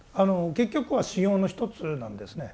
結局は修行の一つなんですね。